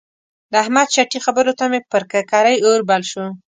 د احمد چټي خبرو ته مې پر ککرۍ اور بل شو.